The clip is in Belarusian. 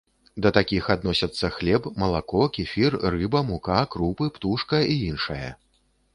Да такіх адносяцца хлеб, малако, кефір, рыба, мука, крупы, птушка і іншае.